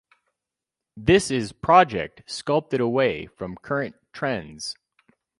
This is project sculpted away from current trends.